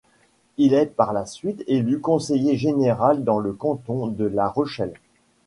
Il est par la suite élu conseiller général dans le canton de La Rochelle.